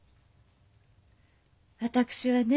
私はね